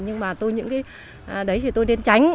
nhưng mà những cái đấy thì tôi nên tránh